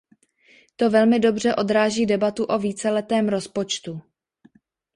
To velmi dobře odráží debatu o víceletém rozpočtu.